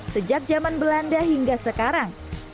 sejak zaman belanda hingga sekarang